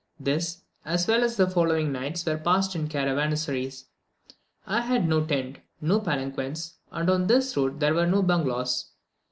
This, as well as the following nights, were passed in caravansaries. I had no tent no palanquins, and on this road there were no bungalows.